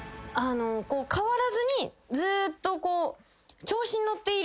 変わらずにずっと。